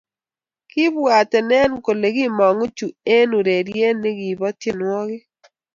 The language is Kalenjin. Kibwaat enen kole kimongu chu eng ureriet ne kibo tienwokik